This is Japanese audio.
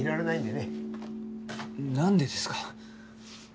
なんでですか？